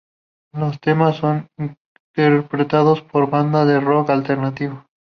Los temas son interpretados por bandas de rock alternativo.